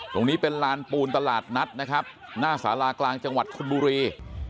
ตรงนี้เป็นลานปูนตลาดนัดนะครับหน้าสารากลางจังหวัดคุณบุรี